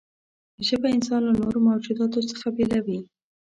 ژبه انسان له نورو موجوداتو څخه بېلوي.